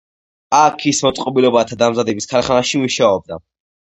აქ ის მოწყობილობათა დამზადების ქარხანაში მუშაობდა.